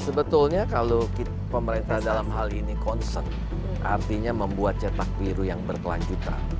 sebetulnya kalau pemerintah dalam hal ini concern artinya membuat cetak biru yang berkelanjutan